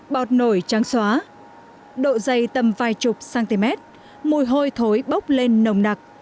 bọt nổi trắng xóa độ dày tầm vài chục cm mùi hôi thối bốc lên nồng nặc